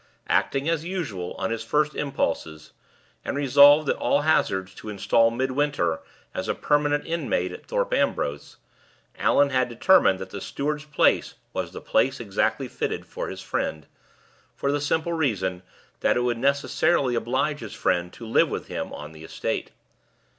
Acting, as usual, on his first impulses, and resolved, at all hazards, to install Midwinter as a permanent inmate at Thorpe Ambrose, Allan had determined that the steward's place was the place exactly fitted for his friend, for the simple reason that it would necessarily oblige his friend to live with him on the estate.